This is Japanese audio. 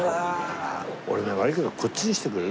俺ね悪いけどこっちにしてくれる？